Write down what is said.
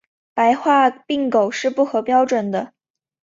白化病狗是不合标准的。